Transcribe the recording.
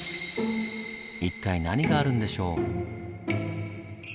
一体何があるんでしょう？